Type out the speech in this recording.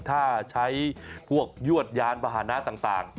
ถ้าใช้พวกยวดยานมหานะต่าง